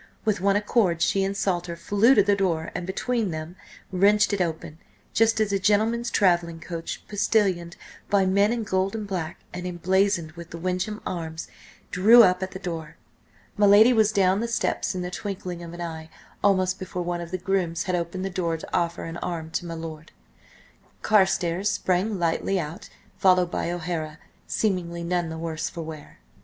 With one accord she and Salter flew to the door, and between them, wrenched it open, just as a gentleman's travelling coach, postillioned by men in gold and black, and emblazoned with the Wyncham arms, drew up at the door. My lady was down the steps in the twinkling of an eye, almost before one of the grooms had opened the door to offer an arm to my lord. Carstares sprang lightly out, followed by O'Hara, seemingly none the worse for wear.